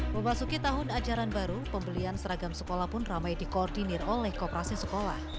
memasuki tahun ajaran baru pembelian seragam sekolah pun ramai dikoordinir oleh kooperasi sekolah